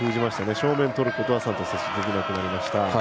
正面取ることはサントス選手できなくなりました。